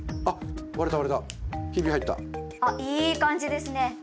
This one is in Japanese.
あいい感じですね。